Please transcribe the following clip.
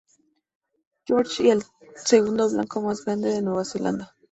George, y al segundo banco más grande de Nueva Zelanda.